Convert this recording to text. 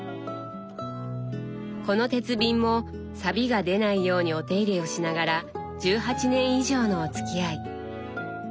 この鉄瓶もさびが出ないようにお手入れをしながら１８年以上のおつきあい。